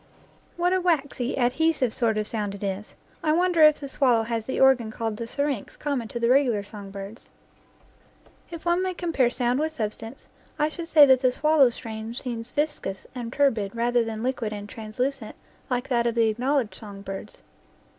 What a waxy, adhesive sort of a sound it is ! I wonder if the swallow has the organ called the syrinx common to the regular song birds. If one may compare sound with substance I should say that the swallow's strain seems viscous and turbid rather than liquid and translucent like that of the acknowledged song birds.